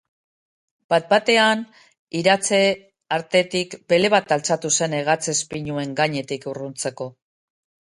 Batbatean, iratze artetik bele bat altxatu zen hegatsez pinuen gainetik urruntzeko.